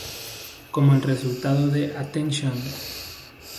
Como el resultado de Attention!